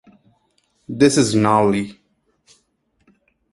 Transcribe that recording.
This is gnarly.